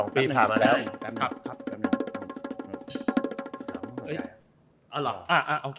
๑๕๒ปีผ่ามาแล้ว